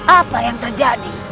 apa yang terjadi